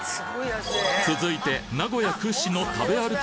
続いて名古屋屈指の食べ歩き